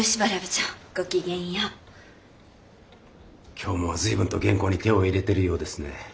今日も随分と原稿に手を入れてるようですね。